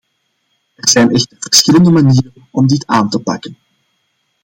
Er zijn echter verschillende manieren om dit aan te pakken.